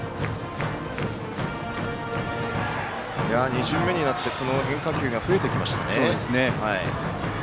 ２巡目になって変化球が増えてきましたね。